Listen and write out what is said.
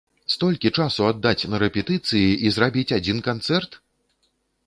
Столькі часу аддаць на рэпетыцыі і зрабіць адзін канцэрт!?